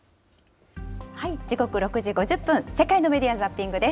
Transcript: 時刻６時５０分、世界のメディア・ザッピングです。